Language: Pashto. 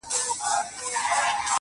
چي بوډا رخصتېدی له هسپتاله-